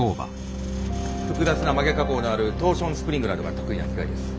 複雑な曲げ加工のあるトーションスプリングなどが得意な機械です。